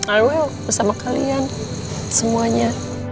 i will sama kalian semuanya